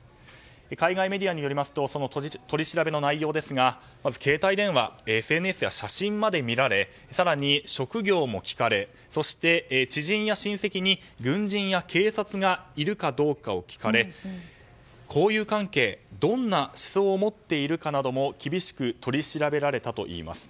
海外メディアによりますとその取調べの内容ですがまず携帯電話ＳＮＳや写真まで見られ更に職業も聞かれそして、知人や親戚に軍人や警察がいるかどうかを聞かれ交友関係どんな思想を持っているかなども厳しく取り調べられたといいます。